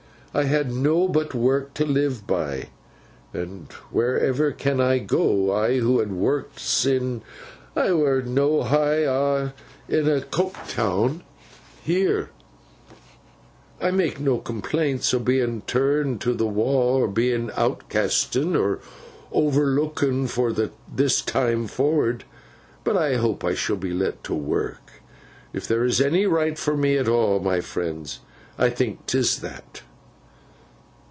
I ha nobbut work to live by; and wheerever can I go, I who ha worked sin I were no heighth at aw, in Coketown heer? I mak' no complaints o' bein turned to the wa', o' bein outcasten and overlooken fro this time forrard, but hope I shall be let to work. If there is any right for me at aw, my friends, I think 'tis that.